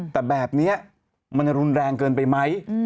แต่แบบนี้มันจะรุนแรงเกินไปไหม